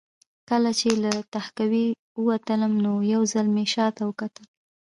کله چې له تهکوي وتلم نو یو ځل مې شا ته وکتل